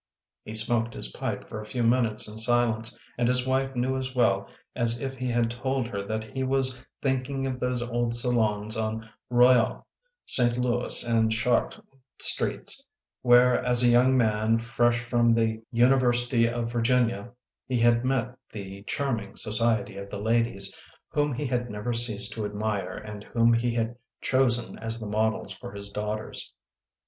He smoked his pipe for a few minutes in silence and his wife knew as well as if he had told her that he was thinking of those old salons on Royal, St. Louis, and Chartres streets where as a young man fresh from the io8 THE PLEASANT WAYS OF ST. MEDARD University of Virginia he had met the charming society of the ladies whom he had never ceased to admire and whom he had chosen as the models for his daughters.